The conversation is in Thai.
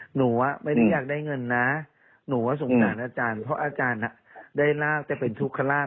หนูไม่ได้อยากได้เงินนะหนูว่าสงสารอาจารย์เพราะอาจารย์ได้ลาบแต่เป็นทุกขลาบ